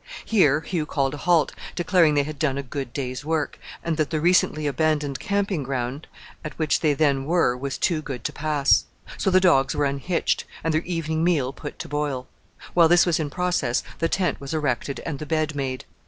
Here Hugh called a halt, declaring they had done a good day's work, and that the recently abandoned camping ground at which they then were was too good to pass. So the dogs were unhitched, and their evening meal put to boil. While this was in process the tent was erected and the bed made.